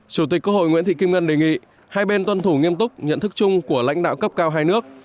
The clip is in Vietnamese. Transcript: chủ tịch quốc hội nguyễn thị kim ngân đề nghị hai bên tuân thủ nghiêm túc nhận thức chung của lãnh đạo cấp cao hai nước